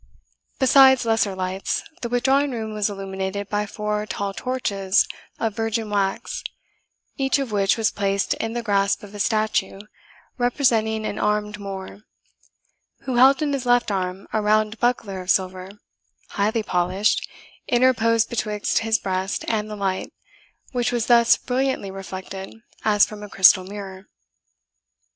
Besides lesser lights, the withdrawing room was illuminated by four tall torches of virgin wax, each of which was placed in the grasp of a statue, representing an armed Moor, who held in his left arm a round buckler of silver, highly polished, interposed betwixt his breast and the light, which was thus brilliantly reflected as from a crystal mirror.